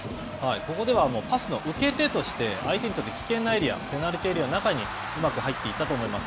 ここでは、まずの受け手として、相手にとって危険なエリア、ペナルティーエリアの中にうまく入っていったと思います。